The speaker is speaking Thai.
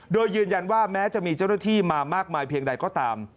โดยยืนยันว่าแม้จะมีเจ้าหน้าที่มามากมายเพียงใดก็ตาม